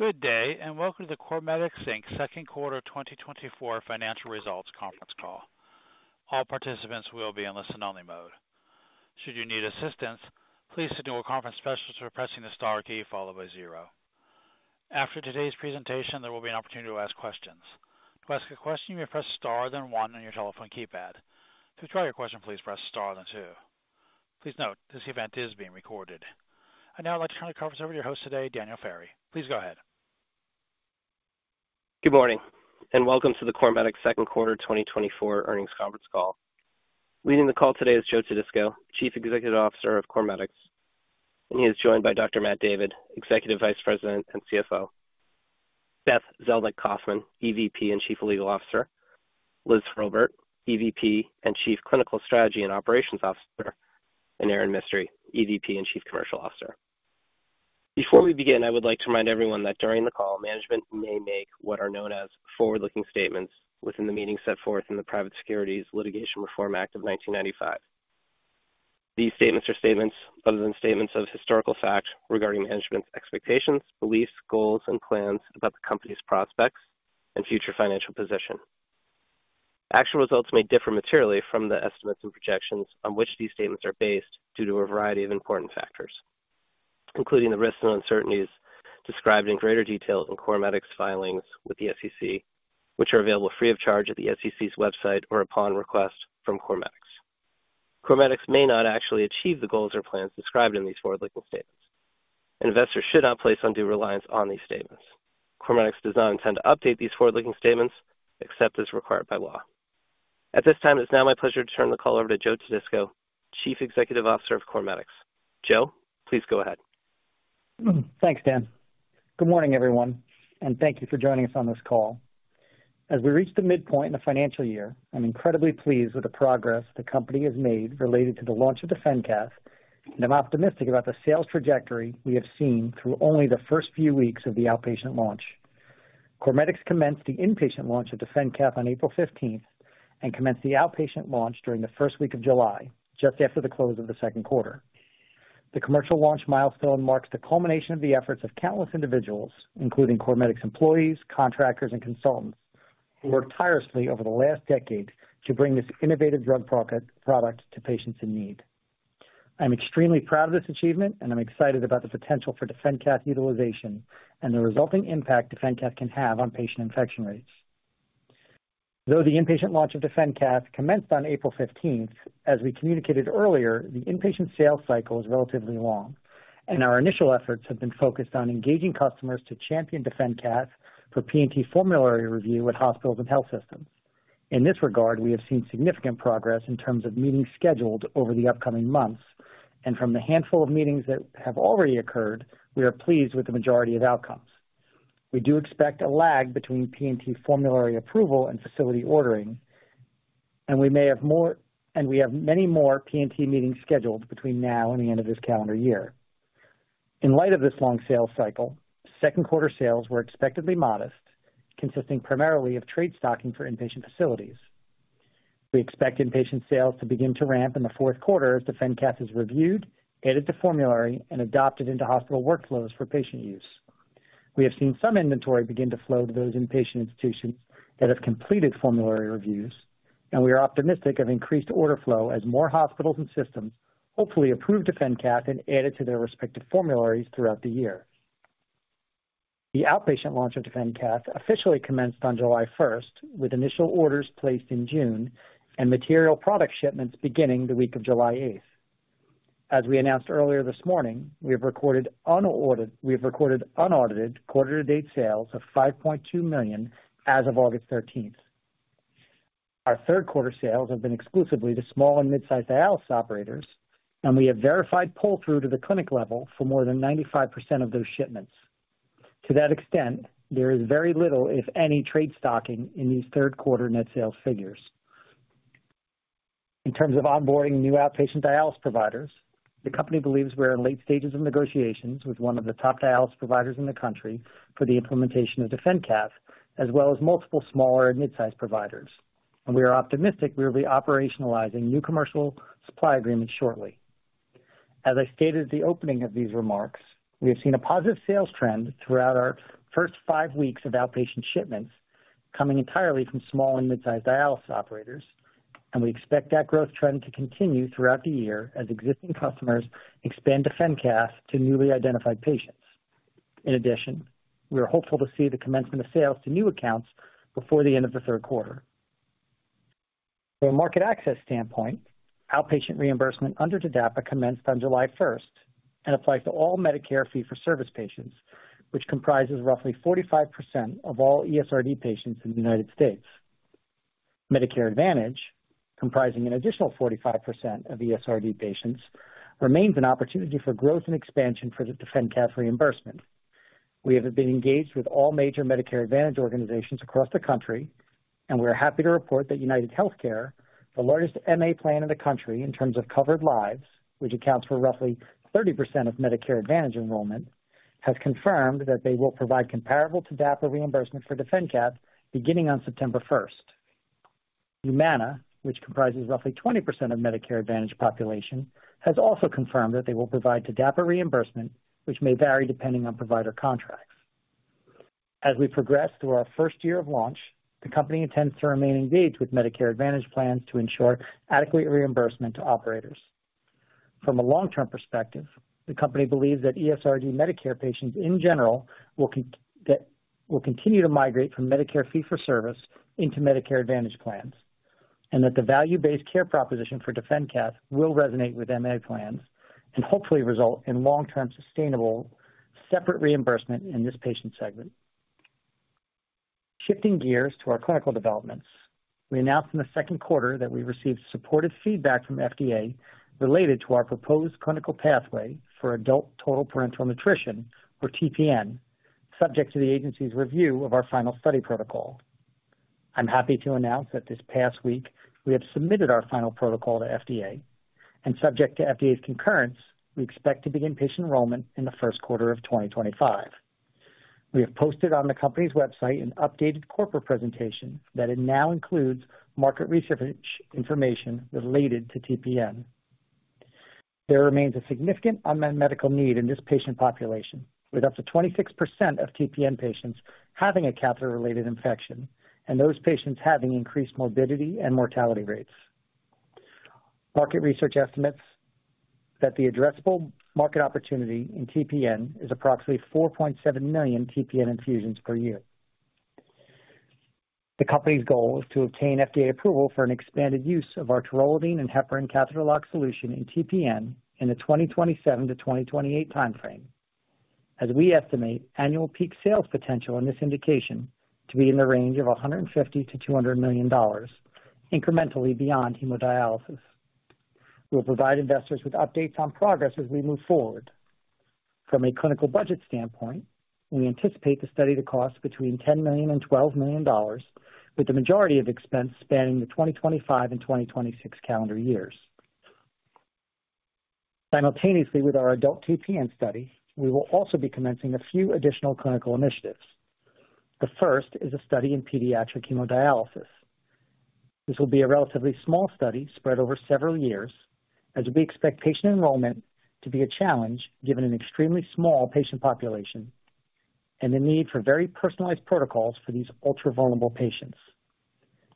Good day, and welcome to the CorMedix Inc. second quarter 2024 financial results conference call. All participants will be in listen-only mode. Should you need assistance, please signal a conference specialist by pressing the star key followed by zero. After today's presentation, there will be an opportunity to ask questions. To ask a question, you may press star, then one on your telephone keypad. To withdraw your question, please press star, then two. Please note, this event is being recorded. I'd now like to turn the conference over to your host today, Daniel Ferry. Please go ahead. Good morning, and welcome to the CorMedix second quarter 2024 earnings conference call. Leading the call today is Joe Todisco, Chief Executive Officer of CorMedix, and he is joined by Dr. Matt David, Executive Vice President and CFO, Beth Zelnik Kaufman, EVP and Chief Legal Officer, Liz Hurlburt, EVP and Chief Clinical Strategy and Operations Officer, and Erin Mistry, EVP and Chief Commercial Officer. Before we begin, I would like to remind everyone that during the call, management may make what are known as forward-looking statements within the meaning set forth in the Private Securities Litigation Reform Act of 1995. These statements are statements other than statements of historical fact regarding management's expectations, beliefs, goals, and plans about the company's prospects and future financial position. Actual results may differ materially from the estimates and projections on which these statements are based due to a variety of important factors, including the risks and uncertainties described in greater detail in CorMedix filings with the SEC, which are available free of charge at the SEC's website or upon request from CorMedix. CorMedix may not actually achieve the goals or plans described in these forward-looking statements, and investors should not place undue reliance on these statements. CorMedix does not intend to update these forward-looking statements except as required by law. At this time, it's now my pleasure to turn the call over to Joe Todisco, Chief Executive Officer of CorMedix. Joe, please go ahead. Thanks, Dan. Good morning, everyone, and thank you for joining us on this call. As we reach the midpoint in the financial year, I'm incredibly pleased with the progress the company has made related to the launch of DefenCath, and I'm optimistic about the sales trajectory we have seen through only the first few weeks of the outpatient launch. CorMedix commenced the inpatient launch of DefenCath on April 15th and commenced the outpatient launch during the first week of July, just after the close of the second quarter. The commercial launch milestone marks the culmination of the efforts of countless individuals, including CorMedix employees, contractors, and consultants, who worked tirelessly over the last decade to bring this innovative drug product to patients in need. I'm extremely proud of this achievement, and I'm excited about the potential for DefenCath utilization and the resulting impact DefenCath can have on patient infection rates. Though the inpatient launch of DefenCath commenced on April 15, as we communicated earlier, the inpatient sales cycle is relatively long, and our initial efforts have been focused on engaging customers to champion DefenCath for P&T formulary review with hospitals and health systems. In this regard, we have seen significant progress in terms of meetings scheduled over the upcoming months, and from the handful of meetings that have already occurred, we are pleased with the majority of outcomes. We do expect a lag between P&T formulary approval and facility ordering, and we have many more P&T meetings scheduled between now and the end of this calendar year. In light of this long sales cycle, second quarter sales were expectedly modest, consisting primarily of trade stocking for inpatient facilities. We expect inpatient sales to begin to ramp in the fourth quarter as DefenCath is reviewed, added to formulary, and adopted into hospital workflows for patient use. We have seen some inventory begin to flow to those inpatient institutions that have completed formulary reviews, and we are optimistic of increased order flow as more hospitals and systems hopefully approve DefenCath and add it to their respective formularies throughout the year. The outpatient launch of DefenCath officially commenced on July 1st, with initial orders placed in June and material product shipments beginning the week of July 8th. As we announced earlier this morning, we have recorded unaudited quarter-to-date sales of $5.2 million as of August 13th. Our third quarter sales have been exclusively to small and mid-sized dialysis operators, and we have verified pull-through to the clinic level for more than 95% of those shipments. To that extent, there is very little, if any, trade stocking in these third quarter net sales figures. In terms of onboarding new outpatient dialysis providers, the company believes we are in late stages of negotiations with one of the top dialysis providers in the country for the implementation of DefenCath, as well as multiple smaller and mid-sized providers. We are optimistic we will be operationalizing new commercial supply agreements shortly. As I stated at the opening of these remarks, we have seen a positive sales trend throughout our first five weeks of outpatient shipments, coming entirely from small and mid-sized dialysis operators, and we expect that growth trend to continue throughout the year as existing customers expand DefenCath to newly identified patients. In addition, we are hopeful to see the commencement of sales to new accounts before the end of the third quarter. From a market access standpoint, outpatient reimbursement under TDAPA commenced on July 1st and applies to all Medicare fee-for-service patients, which comprises roughly 45% of all ESRD patients in the United States. Medicare Advantage, comprising an additional 45% of ESRD patients, remains an opportunity for growth and expansion for the DefenCath reimbursement. We have been engaged with all major Medicare Advantage organizations across the country, and we are happy to report that UnitedHealthcare, the largest MA plan in the country in terms of covered lives, which accounts for roughly 30% of Medicare Advantage enrollment, has confirmed that they will provide comparable TDAPA reimbursement for DefenCath beginning on September 1st. Humana, which comprises roughly 20% of Medicare Advantage population, has also confirmed that they will provide TDAPA reimbursement, which may vary depending on provider contracts. As we progress through our first year of launch, the company intends to remain engaged with Medicare Advantage plans to ensure adequate reimbursement to operators. From a long-term perspective, the company believes that ESRD Medicare patients in general will that will continue to migrate from Medicare fee-for-service into Medicare Advantage plans, and that the value-based care proposition for DefenCath will resonate with MA plans and hopefully result in long-term, sustainable, separate reimbursement in this patient segment. Shifting gears to our clinical developments, we announced in the second quarter that we received supportive feedback from FDA related to our proposed clinical pathway for adult total parenteral nutrition, or TPN, subject to the agency's review of our final study protocol. I'm happy to announce that this past week, we have submitted our final protocol to FDA, and subject to FDA's concurrence, we expect to begin patient enrollment in the first quarter of 2025. We have posted on the company's website an updated corporate presentation that it now includes market research information related to TPN. There remains a significant unmet medical need in this patient population, with up to 26% of TPN patients having a catheter-related infection, and those patients having increased morbidity and mortality rates. Market research estimates that the addressable market opportunity in TPN is approximately 4.7 million TPN infusions per year. The company's goal is to obtain FDA approval for an expanded use of our taurolidine and heparin catheter lock solution in TPN in the 2027-2028 time frame, as we estimate annual peak sales potential in this indication to be in the range of $150-$200 million, incrementally beyond hemodialysis. We'll provide investors with updates on progress as we move forward. From a clinical budget standpoint, we anticipate the study to cost between $10 million and $12 million, with the majority of expenses spanning the 2025 and 2026 calendar years. Simultaneously, with our adult TPN study, we will also be commencing a few additional clinical initiatives. The first is a study in pediatric hemodialysis. This will be a relatively small study spread over several years, as we expect patient enrollment to be a challenge, given an extremely small patient population and the need for very personalized protocols for these ultra-vulnerable patients.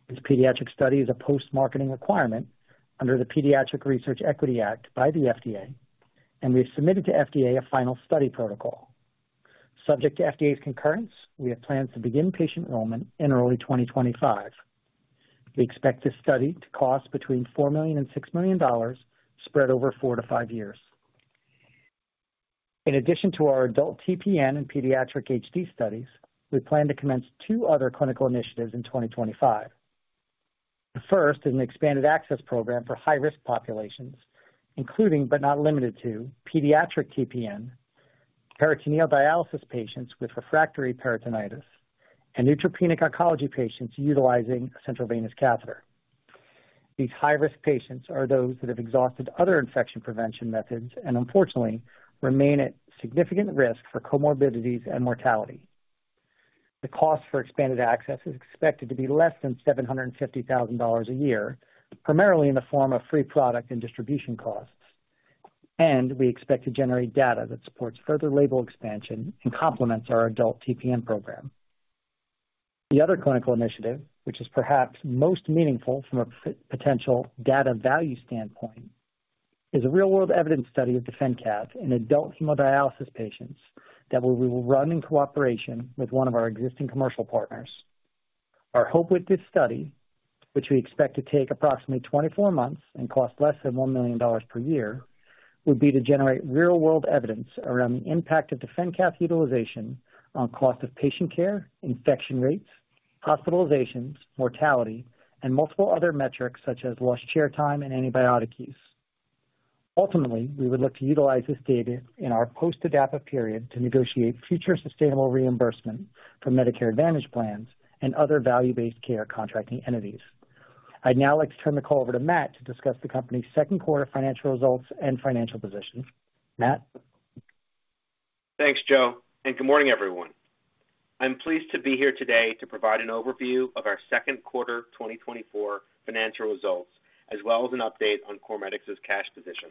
This pediatric study is a post-marketing requirement under the Pediatric Research Equity Act by the FDA, and we've submitted to FDA a final study protocol. Subject to FDA's concurrence, we have plans to begin patient enrollment in early 2025. We expect this study to cost between $4 million and $6 million, spread over four-five years. In addition to our adult TPN and pediatric HD studies, we plan to commence two other clinical initiatives in 2025. The first is an expanded access program for high-risk populations, including, but not limited to pediatric TPN, peritoneal dialysis patients with refractory peritonitis, and neutropenic oncology patients utilizing a central venous catheter. These high-risk patients are those that have exhausted other infection prevention methods and unfortunately remain at significant risk for comorbidities and mortality. The cost for expanded access is expected to be less than $750,000 a year, primarily in the form of free product and distribution costs. We expect to generate data that supports further label expansion and complements our adult TPN program. The other clinical initiative, which is perhaps most meaningful from a potential data value standpoint, is a real-world evidence study of DefenCath in adult hemodialysis patients, that we will run in cooperation with one of our existing commercial partners. Our hope with this study, which we expect to take approximately 24 months and cost less than $1 million per year, would be to generate real-world evidence around the impact of DefenCath utilization on cost of patient care, infection rates, hospitalizations, mortality, and multiple other metrics such as lost chair time and antibiotic use. Ultimately, we would look to utilize this data in our post-TDAPA period to negotiate future sustainable reimbursement from Medicare Advantage plans and other value-based care contracting entities. I'd now like to turn the call over to Matt to discuss the company's second quarter financial results and financial position. Matt? Thanks, Joe, and good morning, everyone. I'm pleased to be here today to provide an overview of our second quarter 2024 financial results, as well as an update on CorMedix's cash position.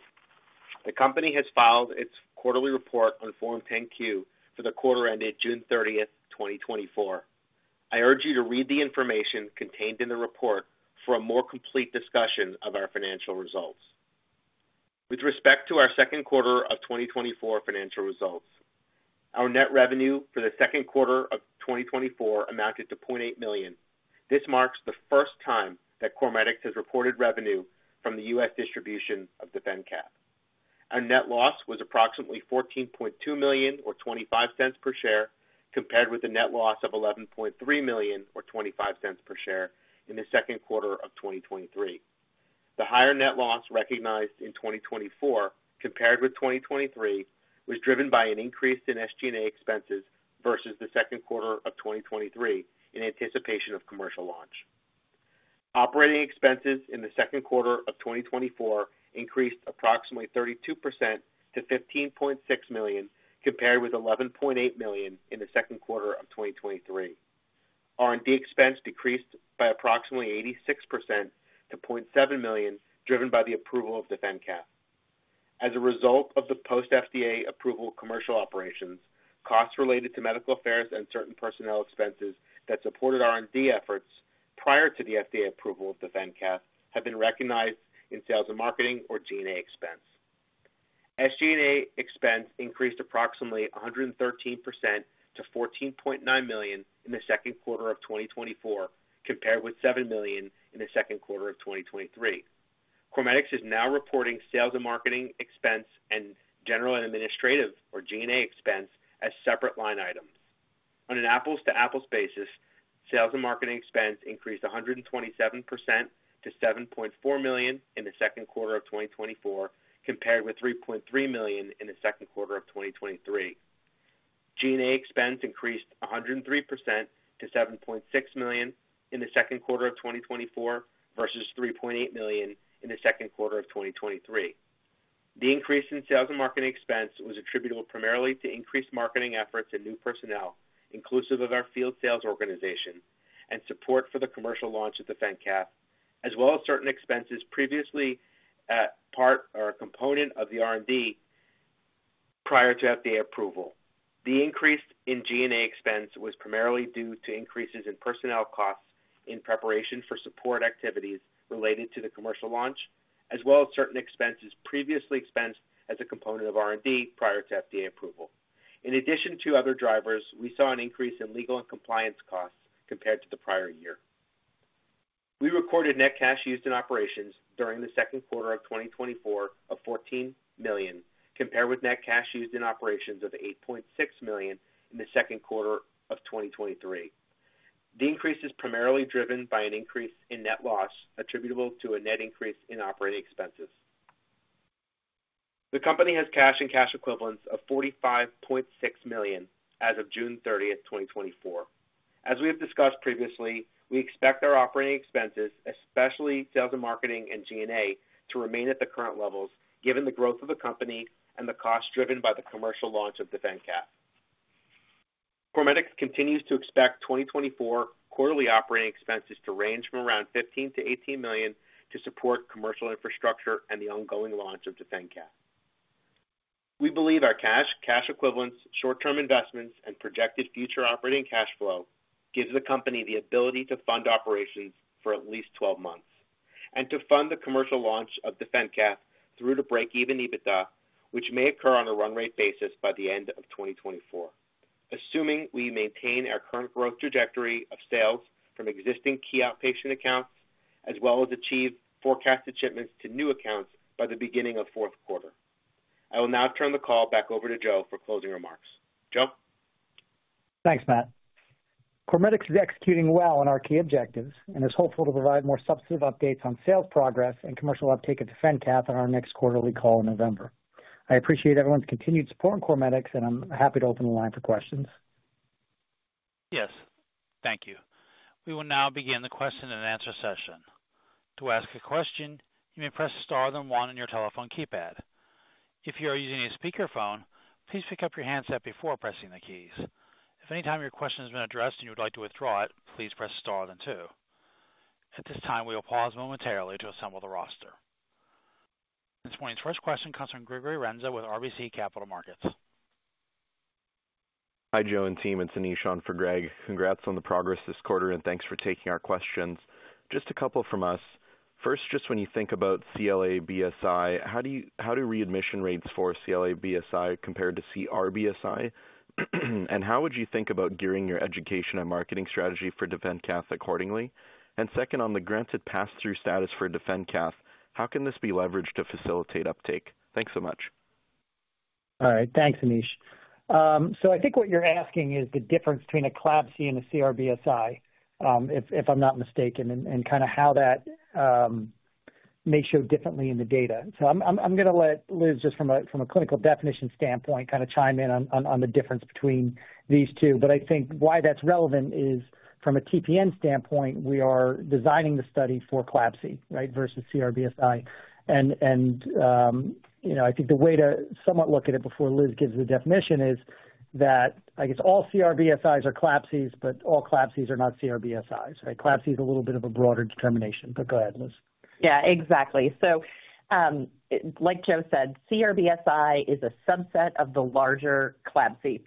The company has filed its quarterly report on Form 10-Q for the quarter ended June 30, 2024. I urge you to read the information contained in the report for a more complete discussion of our financial results. With respect to our second quarter of 2024 financial results, our net revenue for the second quarter of 2024 amounted to $0.8 million. This marks the first time that CorMedix has reported revenue from the U.S. distribution of DefenCath. Our net loss was approximately $14.2 million, or 25 cents per share, compared with a net loss of $11.3 million, or 25 cents per share, in the second quarter of 2023. The higher net loss recognized in 2024 compared with 2023, was driven by an increase in SG&A expenses versus the second quarter of 2023 in anticipation of commercial launch. Operating expenses in the second quarter of 2024 increased approximately 32% to $15.6 million, compared with $11.8 million in the second quarter of 2023. R&D expense decreased by approximately 86% to $0.7 million, driven by the approval of DefenCath....As a result of the post FDA approval commercial operations, costs related to medical affairs and certain personnel expenses that supported R&D efforts prior to the FDA approval of DefenCath have been recognized in sales and marketing or G&A expense. SG&A expense increased approximately 113% to $14.9 million in the second quarter of 2024, compared with $7 million in the second quarter of 2023. CorMedix is now reporting sales and marketing expense and general and administrative, or G&A expense, as separate line items. On an apples-to-apples basis, sales and marketing expense increased 127% to $7.4 million in the second quarter of 2024, compared with $3.3 million in the second quarter of 2023. G&A expense increased 103% to $7.6 million in the second quarter of 2024 versus $3.8 million in the second quarter of 2023. The increase in sales and marketing expense was attributable primarily to increased marketing efforts and new personnel, inclusive of our field sales organization and support for the commercial launch of DefenCath, as well as certain expenses previously part or a component of the R&D prior to FDA approval. The increase in G&A expense was primarily due to increases in personnel costs in preparation for support activities related to the commercial launch, as well as certain expenses previously expensed as a component of R&D prior to FDA approval. In addition to other drivers, we saw an increase in legal and compliance costs compared to the prior year. We recorded net cash used in operations during the second quarter of 2024 of $14 million, compared with net cash used in operations of $8.6 million in the second quarter of 2023. The increase is primarily driven by an increase in net loss attributable to a net increase in operating expenses. The company has cash and cash equivalents of $45.6 million as of June 30, 2024. As we have discussed previously, we expect our operating expenses, especially sales and marketing and G&A, to remain at the current levels, given the growth of the company and the costs driven by the commercial launch of DefenCath. CorMedix continues to expect 2024 quarterly operating expenses to range from around $15 million-$18 million to support commercial infrastructure and the ongoing launch of DefenCath. We believe our cash, cash equivalents, short-term investments, and projected future operating cash flow gives the company the ability to fund operations for at least 12 months and to fund the commercial launch of DefenCath through to break-even EBITDA, which may occur on a run rate basis by the end of 2024, assuming we maintain our current growth trajectory of sales from existing key outpatient accounts, as well as achieve forecasted shipments to new accounts by the beginning of fourth quarter. I will now turn the call back over to Joe for closing remarks. Joe? Thanks, Matt. CorMedix is executing well on our key objectives and is hopeful to provide more substantive updates on sales progress and commercial uptake at DefenCath on our next quarterly call in November. I appreciate everyone's continued support in CorMedix, and I'm happy to open the line for questions. Yes, thank you. We will now begin the question and answer session. To ask a question, you may press star then one on your telephone keypad. If you are using a speakerphone, please pick up your handset before pressing the keys. If any time your question has been addressed and you would like to withdraw it, please press star then two. At this time, we will pause momentarily to assemble the roster. This morning's first question comes from Gregory Renza with RBC Capital Markets. Hi, Joe and team. It's Anish on for Greg. Congrats on the progress this quarter, and thanks for taking our questions. Just a couple from us. First, just when you think about CLABSI, how do readmission rates for CLABSI compare to CRBSI? And how would you think about gearing your education and marketing strategy for DefenCath accordingly? And second, on the granted pass-through status for DefenCath, how can this be leveraged to facilitate uptake? Thanks so much. All right. Thanks, Anish. So I think what you're asking is the difference between a CLABSI and a CRBSI, if I'm not mistaken, and kind of how that may show differently in the data. So I'm going to let Liz, just from a clinical definition standpoint, kind of chime in on the difference between these two. But I think why that's relevant is from a TPN standpoint, we are designing the study for CLABSI, right, versus CRBSI. And you know, I think the way to somewhat look at it before Liz gives the definition is that I guess all CRBSIs are CLABSIs, but all CLABSIs are not CRBSIs, right? CLABSI is a little bit of a broader determination, but go ahead, Liz. Yeah, exactly. So, like Joe said, CRBSI is a subset of the larger CLABSI,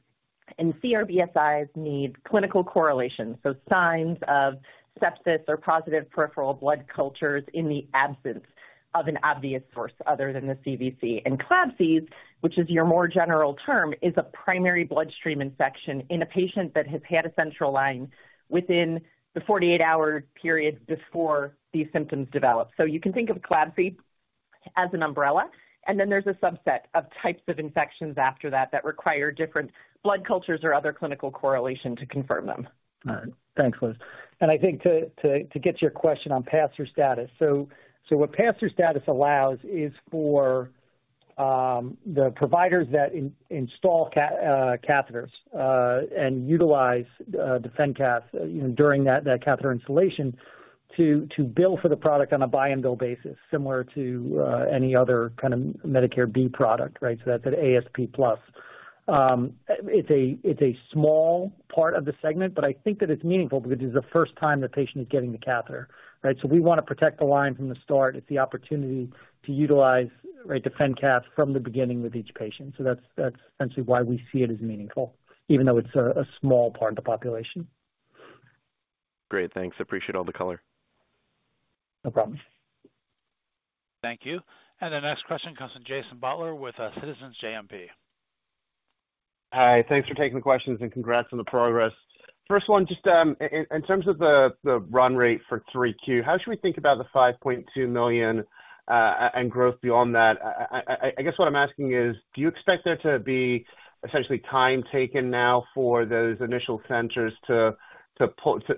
and CRBSIs need clinical correlation, so signs of sepsis or positive peripheral blood cultures in the absence of an obvious source other than the CVC. And CLABSIs, which is your more general term, is a primary bloodstream infection in a patient that has had a central line within the 48-hour period before these symptoms develop. So you can think of CLABSI as an umbrella, and then there's a subset of types of infections after that that require different blood cultures or other clinical correlation to confirm them. All right. Thanks, Liz. And I think to get your question on pass-through status. So what pass-through status allows is for the providers that install catheters and utilize DefenCath, you know, during that catheter installation, to bill for the product on a buy-and-bill basis, similar to any other kind of Medicare B product, right? So that's an ASP plus.... It's a small part of the segment, but I think that it's meaningful because it's the first time the patient is getting the catheter, right? So we want to protect the line from the start. It's the opportunity to utilize, right, DefenCath from the beginning with each patient. So that's essentially why we see it as meaningful, even though it's a small part of the population. Great, thanks. I appreciate all the color. No problem. Thank you. The next question comes from Jason Butler with Citizens JMP. Hi, thanks for taking the questions, and congrats on the progress. First one, just in terms of the run rate for 3Q, how should we think about the $5.2 million and growth beyond that? I guess what I'm asking is, do you expect there to be essentially time taken now for those initial centers to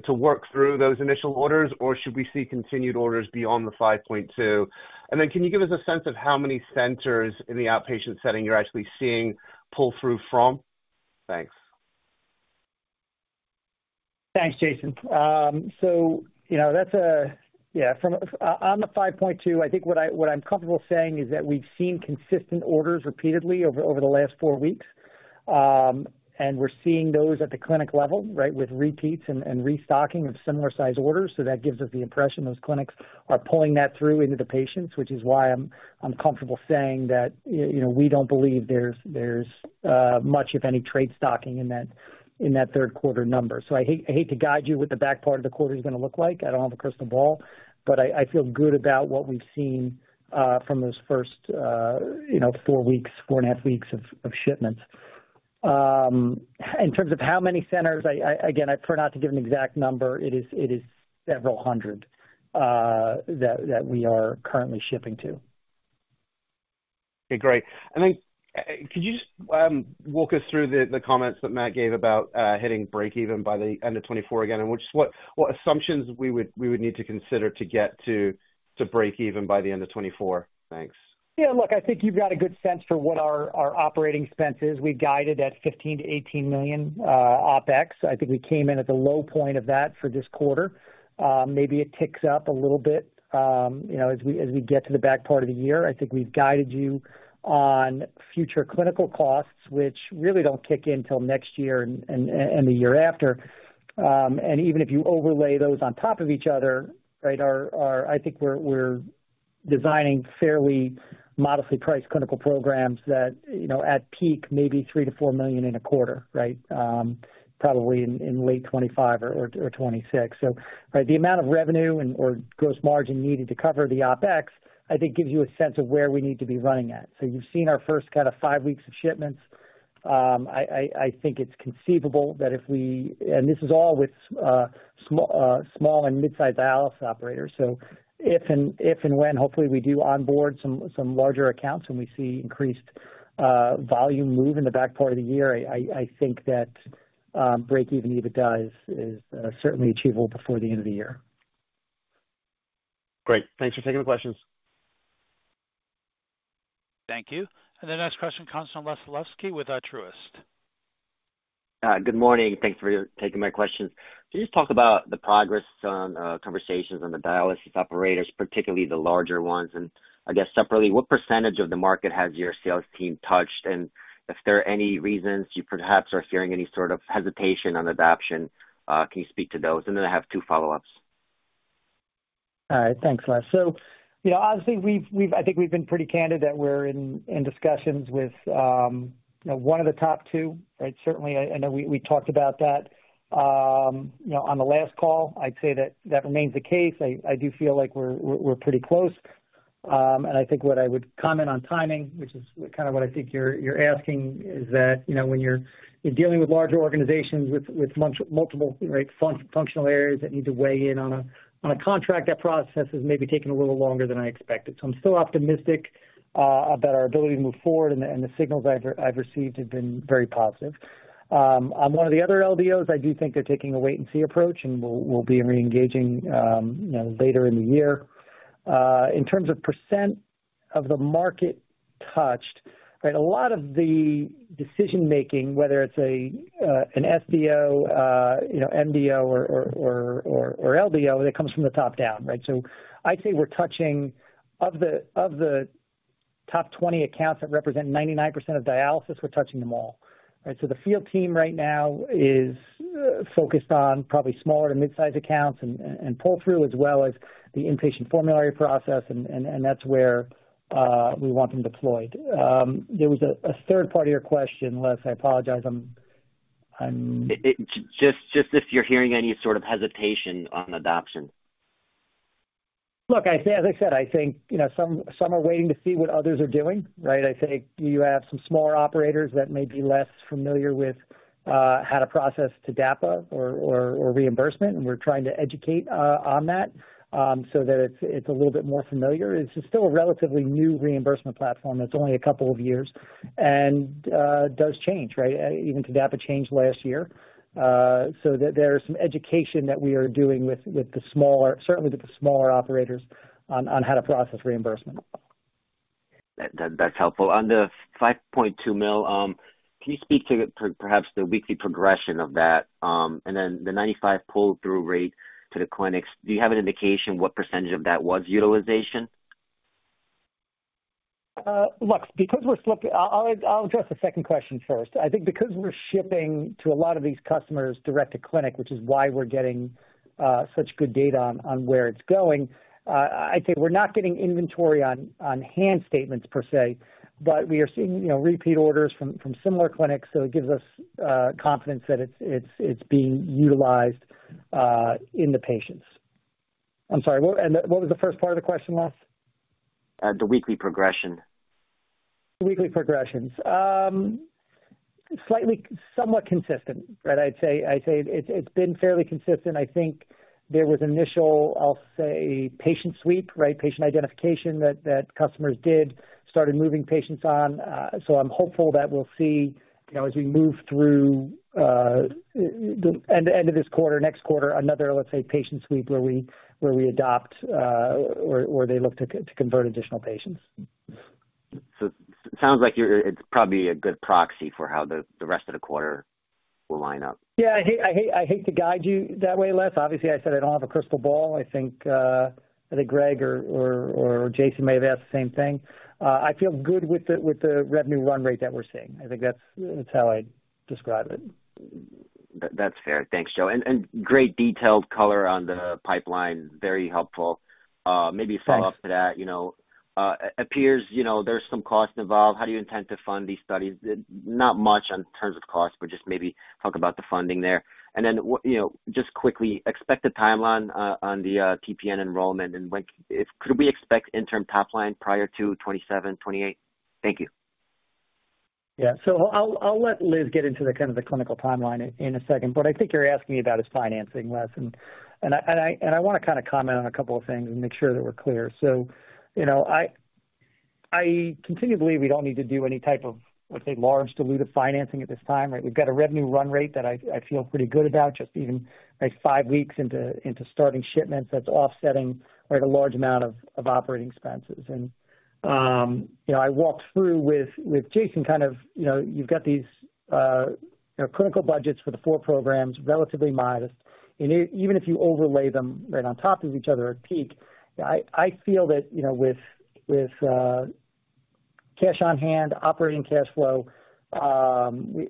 work through those initial orders, or should we see continued orders beyond the $5.2 million? And then can you give us a sense of how many centers in the outpatient setting you're actually seeing pull through from? Thanks. Thanks, Jason. So you know, that's yeah from. On the $5.2, I think what I'm comfortable saying is that we've seen consistent orders repeatedly over the last four weeks. And we're seeing those at the clinic level, right, with repeats and restocking of similar-sized orders. So that gives us the impression those clinics are pulling that through into the patients, which is why I'm comfortable saying that, you know, we don't believe there's much of any trade stocking in that third quarter number. So I hate to guide you what the back part of the quarter is going to look like. I don't have a crystal ball, but I feel good about what we've seen from those first, you know, four weeks, four and a half weeks of shipments. In terms of how many centers, I again prefer not to give an exact number. It is several hundred that we are currently shipping to. Okay, great. And then, could you just walk us through the comments that Matt gave about hitting breakeven by the end of 2024 again, and what assumptions we would need to consider to get to breakeven by the end of 2024? Thanks. Yeah, look, I think you've got a good sense for what our operating expense is. We guided at $15 million-$18 million OpEx. I think we came in at the low point of that for this quarter. Maybe it ticks up a little bit, you know, as we get to the back part of the year. I think we've guided you on future clinical costs, which really don't kick in till next year and the year after. And even if you overlay those on top of each other, right, our—I think we're designing fairly modestly priced clinical programs that, you know, at peak, maybe $3 million-$4 million in a quarter, right? Probably in late 2025 or 2026. So, right, the amount of revenue and/or gross margin needed to cover the OpEx, I think, gives you a sense of where we need to be running at. So you've seen our first kind of five weeks of shipments. I think it's conceivable that if we... And this is all with small, small and mid-sized dialysis operators. So if and when, hopefully, we do onboard some, some larger accounts and we see increased volume move in the back part of the year, I think that breakeven EBITDA is certainly achievable before the end of the year. Great. Thanks for taking the questions. Thank you. The next question comes from Les Sulewski with Truist. Good morning. Thanks for taking my questions. Can you just talk about the progress on conversations on the dialysis operators, particularly the larger ones? And I guess separately, what percentage of the market has your sales team touched? And if there are any reasons you perhaps are hearing any sort of hesitation on adoption, can you speak to those? And then I have two follow-ups. Thanks, Les. So you know, obviously, we've been pretty candid that we're in discussions with, you know, one of the top two, right? Certainly, I know we talked about that, you know, on the last call. I'd say that that remains the case. I do feel like we're pretty close. And I think what I would comment on timing, which is kind of what I think you're asking, is that, you know, when you're dealing with larger organizations with multiple, right, functional areas that need to weigh in on a contract, that process has maybe taken a little longer than I expected. So I'm still optimistic about our ability to move forward, and the signals I've received have been very positive. On one of the other LDOs, I do think they're taking a wait-and-see approach, and we'll be reengaging, you know, later in the year. In terms of percent of the market touched, right, a lot of the decision making, whether it's an SDO, you know, MDO or LDO, that comes from the top down, right? So I'd say we're touching... Of the top 20 accounts that represent 99% of dialysis, we're touching them all, right? So the field team right now is focused on probably smaller to mid-sized accounts and pull-through, as well as the inpatient formulary process, and that's where we want them deployed. There was a third part of your question, Les. I apologize. I'm. Just if you're hearing any sort of hesitation on adoption. Look, I say, as I said, I think, you know, some are waiting to see what others are doing, right? I think you have some smaller operators that may be less familiar with how to process TDAPA or reimbursement, and we're trying to educate on that, so that it's a little bit more familiar. It's still a relatively new reimbursement platform. It's only a couple of years and does change, right? Even TDAPA changed last year. So there is some education that we are doing with the smaller, certainly with the smaller operators on how to process reimbursement. That, that's helpful. On the $5.2 million, can you speak to perhaps the weekly progression of that? And then the 95% pull-through rate to the clinics, do you have an indication what percentage of that was utilization? ...Look, because we're slipping, I'll address the second question first. I think because we're shipping to a lot of these customers direct to clinic, which is why we're getting such good data on where it's going. I'd say we're not getting inventory on hand statements per se, but we are seeing, you know, repeat orders from similar clinics, so it gives us confidence that it's being utilized in the patients. I'm sorry, what, and what was the first part of the question, Les? The weekly progression. Weekly progressions. Slightly, somewhat consistent, but I'd say, I'd say it's, it's been fairly consistent. I think there was initial, I'll say, patient sweep, right? Patient identification that, that customers did, started moving patients on, so I'm hopeful that we'll see, you know, as we move through, the end of this quarter, next quarter, another, let's say, patient sweep, where we, where we adopt, or, or they look to, to convert additional patients. Sounds like you're, it's probably a good proxy for how the rest of the quarter will line up. Yeah, I hate, I hate, I hate to guide you that way, Les. Obviously, I said I don't have a crystal ball. I think Greg or, or, or Jason may have asked the same thing. I feel good with the, with the revenue run rate that we're seeing. I think that's, that's how I'd describe it. That's fair. Thanks, Joe. And great detailed color on the pipeline. Very helpful. Maybe- Thanks. A follow-up to that, you know, appears, you know, there's some costs involved. How do you intend to fund these studies? Not much in terms of cost, but just maybe talk about the funding there. And then, you know, just quickly, expected timeline on the TPN enrollment, and like, if we could expect interim top line prior to 2027, 2028? Thank you. Yeah. So I'll, I'll let Liz get into the kind of the clinical timeline in a second, but I think you're asking me about is financing, Les. And I, and I, and I want to kind of comment on a couple of things and make sure that we're clear. So, you know, I, I continually we don't need to do any type of, let's say, large dilutive financing at this time, right? We've got a revenue run rate that I, I feel pretty good about, just even like five weeks into, into starting shipments that's offsetting, right, a large amount of, of operating expenses. You know, I walked through with Jason kind of, you know, you've got these, you know, clinical budgets for the four programs, relatively modest, and even if you overlay them right on top of each other at peak, I feel that, you know, with cash on hand, operating cash flow,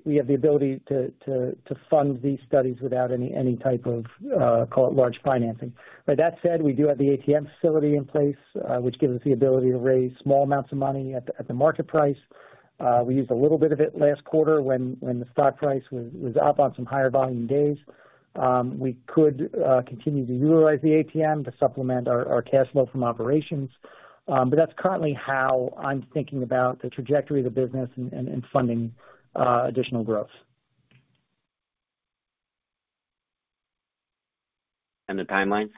we have the ability to fund these studies without any type of, call it large financing. With that said, we do have the ATM facility in place, which gives us the ability to raise small amounts of money at the market price. We used a little bit of it last quarter when the stock price was up on some higher volume days. We could continue to utilize the ATM to supplement our cash flow from operations. But that's currently how I'm thinking about the trajectory of the business and funding additional growth. The timelines?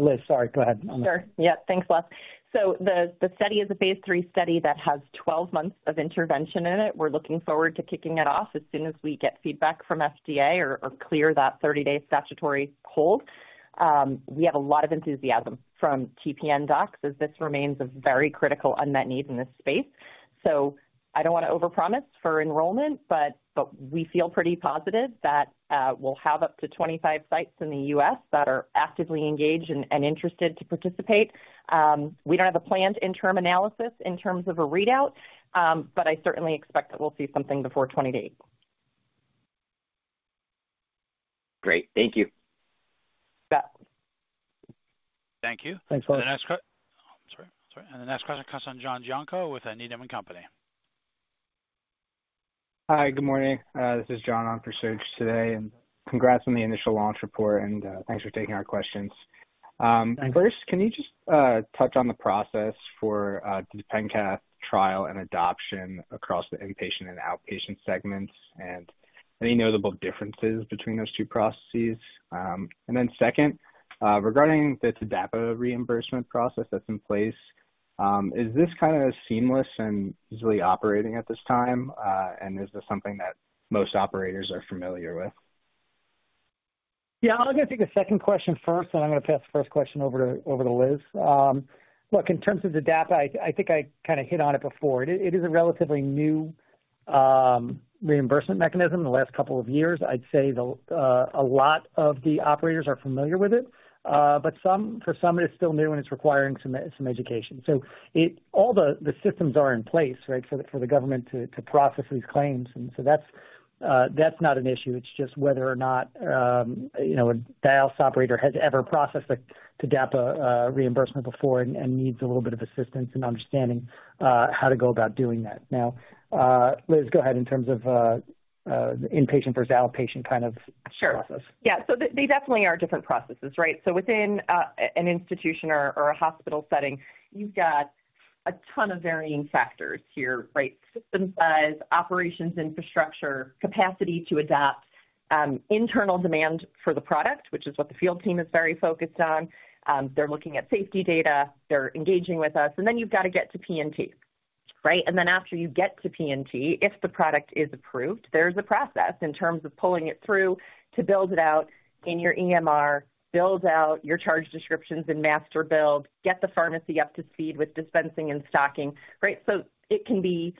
Liz, sorry, go ahead. Sure. Yeah, thanks, Les. So the study is a phase 3 study that has 12 months of intervention in it. We're looking forward to kicking it off as soon as we get feedback from FDA or clear that 30-day statutory hold. We have a lot of enthusiasm from TPN docs, as this remains a very critical unmet need in this space. So I don't want to overpromise for enrollment, but we feel pretty positive that we'll have up to 25 sites in the U.S. that are actively engaged and interested to participate. We don't have a planned interim analysis in terms of a readout, but I certainly expect that we'll see something before 2028. Great. Thank you. Beth. Thank you. Thanks, Les. Sorry, sorry. The next question comes from John Giannocco with Needham & Company. Hi, good morning. This is John on for Serge today, and congrats on the initial launch report, and, thanks for taking our questions. Thank you. First, can you just touch on the process for the DefenCath trial and adoption across the inpatient and outpatient segments, and any notable differences between those two processes? And then second, regarding the TDAPA reimbursement process that's in place, is this kind of seamless and easily operating at this time? And is this something that most operators are familiar with? Yeah, I'm going to take the second question first, then I'm going to pass the first question over to Liz. Look, in terms of the data, I think I kind of hit on it before. It is a relatively new reimbursement mechanism in the last couple of years. I'd say a lot of the operators are familiar with it, but for some it's still new and it's requiring some education. So it... All the systems are in place, right, for the government to process these claims, and so that's not an issue. It's just whether or not, you know, a dialysis operator has ever processed a TDAPA reimbursement before and needs a little bit of assistance in understanding how to go about doing that. Now, Liz, go ahead in terms of inpatient versus outpatient kind of- Sure. Process. Yeah. So they, they definitely are different processes, right? So within an institution or, or a hospital setting, you've got a ton of varying factors here, right? System size, operations, infrastructure, capacity to adapt, internal demand for the product, which is what the field team is very focused on. They're looking at safety data, they're engaging with us, and then you've got to get to P&T, right? And then after you get to P&T, if the product is approved, there's a process in terms of pulling it through to build it out in your EMR, build out your charge descriptions in master build, get the pharmacy up to speed with dispensing and stocking, right? So it can be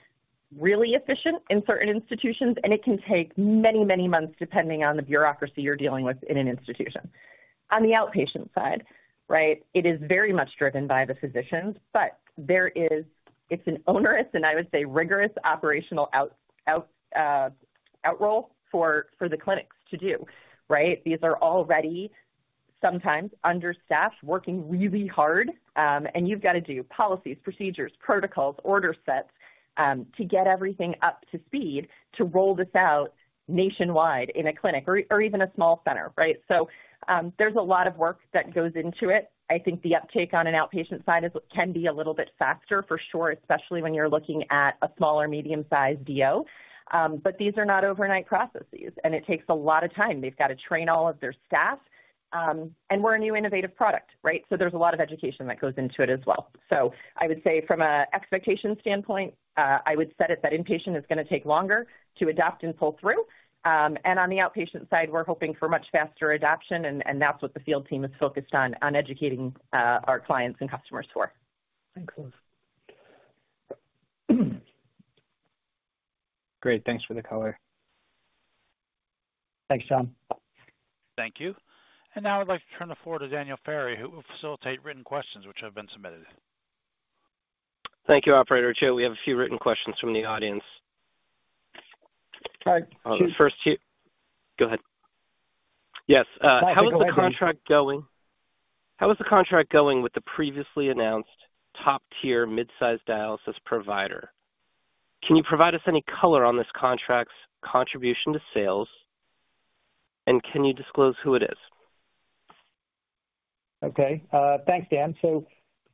really efficient in certain institutions, and it can take many, many months, depending on the bureaucracy you're dealing with in an institution. On the outpatient side, right, it is very much driven by the physicians, but there is, it's an onerous, and I would say, rigorous operational rollout for the clinics to do, right? These are already sometimes understaffed, working really hard. And you've got to do policies, procedures, protocols, order sets to get everything up to speed, to roll this out nationwide in a clinic or even a small center, right? So, there's a lot of work that goes into it. I think the uptake on an outpatient side is, can be a little bit faster for sure, especially when you're looking at a small or medium-sized DO. But these are not overnight processes, and it takes a lot of time. They've got to train all of their staff. And we're a new innovative product, right? So there's a lot of education that goes into it as well. So I would say from an expectation standpoint, I would set it that inpatient is going to take longer to adapt and pull through. And on the outpatient side, we're hoping for much faster adoption, and that's what the field team is focused on educating our clients and customers for. Thanks, Liz. Great, thanks for the color. Thanks, John. Thank you. And now I'd like to turn the floor to Daniel Ferry, who will facilitate written questions which have been submitted. Thank you, Operator Joe. We have a few written questions from the audience. All right. The first here... Go ahead. Yes, Go ahead. How is the contract going? How is the contract going with the previously announced top-tier mid-sized dialysis provider? Can you provide us any color on this contract's contribution to sales, and can you disclose who it is? Okay, thanks, Dan. So,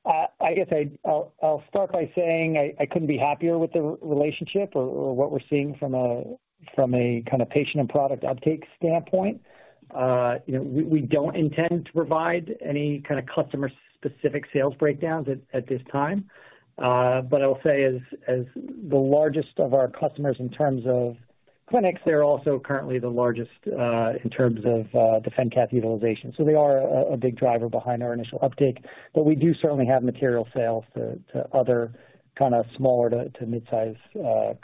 I guess I'll start by saying I couldn't be happier with the relationship or what we're seeing from a kind of patient and product uptake standpoint. You know, we don't intend to provide any kind of customer-specific sales breakdowns at this time. But I will say, as the largest of our customers in terms of clinics, they're also currently the largest in terms of DefenCath utilization. So they are a big driver behind our initial uptake. But we do certainly have material sales to other kind of smaller to midsize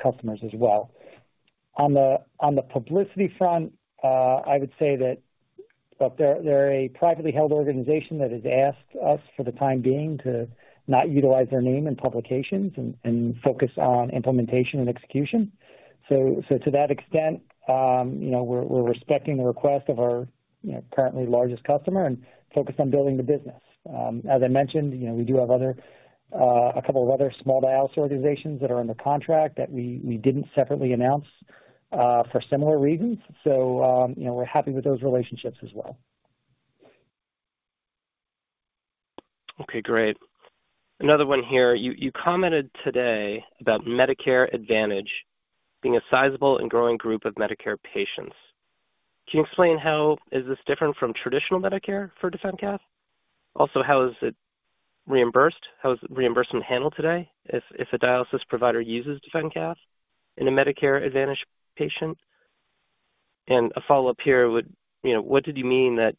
customers as well. On the publicity front, I would say that, look, they're a privately held organization that has asked us for the time being to not utilize their name in publications and focus on implementation and execution. So to that extent, you know, we're respecting the request of our, you know, currently largest customer and focused on building the business. As I mentioned, you know, we do have other a couple of other small dialysis organizations that are in the contract that we didn't separately announce for similar reasons. So, you know, we're happy with those relationships as well. Okay, great. Another one here. You commented today about Medicare Advantage being a sizable and growing group of Medicare patients. Can you explain how is this different from traditional Medicare for DefenCath? Also, how is it reimbursed? How is reimbursement handled today if a dialysis provider uses DefenCath in a Medicare Advantage patient? And a follow-up here would, you know, what did you mean that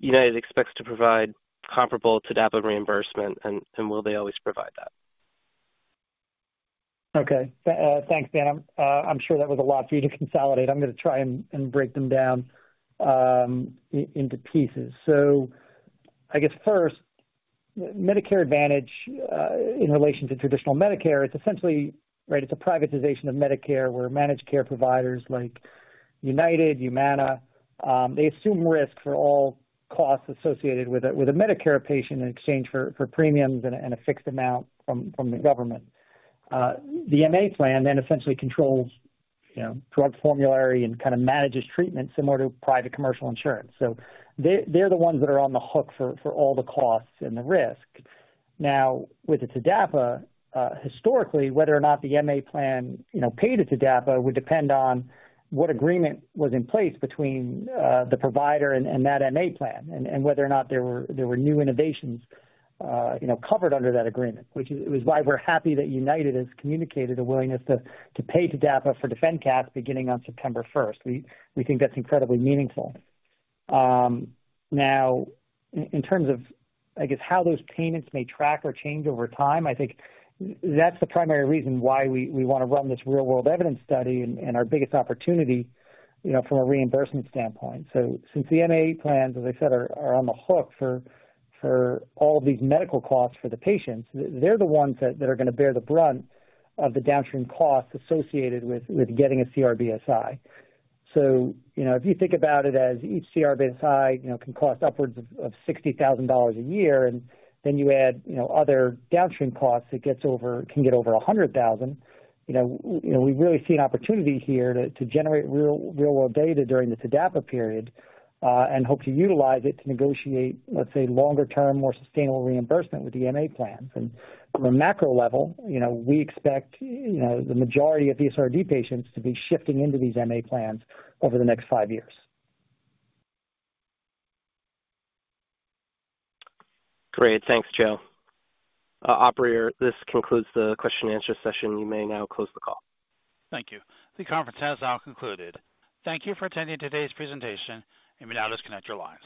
United expects to provide comparable to TDAPA reimbursement, and will they always provide that? Okay. Thanks, Dan. I'm sure that was a lot for you to consolidate. I'm going to try and break them down into pieces. So I guess first, Medicare Advantage, in relation to traditional Medicare, it's essentially, right, it's a privatization of Medicare, where managed care providers like United, Humana, they assume risk for all costs associated with a Medicare patient in exchange for premiums and a fixed amount from the government. The MA plan then essentially controls, you know, drug formulary and kind of manages treatment similar to private commercial insurance. So they, they're the ones that are on the hook for all the costs and the risk. Now, with the TDAPA, historically, whether or not the MA plan, you know, paid a TDAPA would depend on what agreement was in place between the provider and that MA plan and whether or not there were new innovations, you know, covered under that agreement. Which is why we're happy that United has communicated a willingness to pay TDAPA for DefenCath beginning on September first. We think that's incredibly meaningful. Now, in terms of, I guess, how those payments may track or change over time, I think that's the primary reason why we want to run this real-world evidence study and our biggest opportunity, you know, from a reimbursement standpoint. So since the MA plans, as I said, are, are on the hook for, for all these medical costs for the patients, they're the ones that, that are going to bear the brunt of the downstream costs associated with, with getting a CRBSI. So you know, if you think about it as each CRBSI, you know, can cost upwards of $60,000 a year, and then you add, you know, other downstream costs, it gets over. It can get over $100,000. You know, we really see an opportunity here to, to generate real-world data during the TDAPA period, and hope to utilize it to negotiate, let's say, longer-term, more sustainable reimbursement with the MA plans. And from a macro level, you know, we expect, you know, the majority of ESRD patients to be shifting into these MA plans over the next five years. Great. Thanks, Joe. Operator, this concludes the question and answer session. You may now close the call. Thank you. The conference has now concluded. Thank you for attending today's presentation. You may now disconnect your lines.